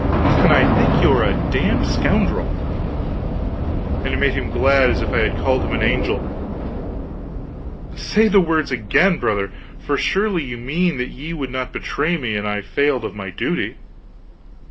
"Then I think you are a damned scoundrel!" It made him as glad as if I had called him an angel. "Say the good words again, brother! for surely ye mean that ye would not betray me an I failed of my duty."